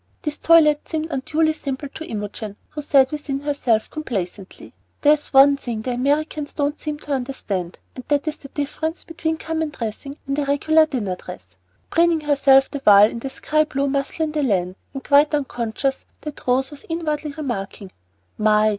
These toilettes seemed unduly simple to Imogen, who said within herself, complacently, "There is one thing the Americans don't seem to understand, and that is the difference between common dressing and a regular dinner dress," preening herself the while in the sky blue mousselaine de laine, and quite unconscious that Rose was inwardly remarking, "My!